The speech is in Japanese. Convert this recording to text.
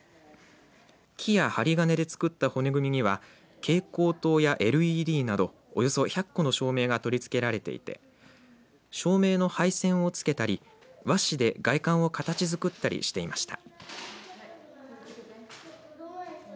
木や針金で作った骨組みには蛍光灯やＬＥＤなどおよそ１００個の照明が取り付けられていて照明の配線をつけたり和紙で外観を形作ったりしていました。